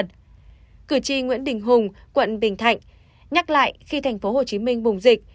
cử tri nguyễn đình hùng quận bình thạnh nhắc lại khi tp hcm bùng dịch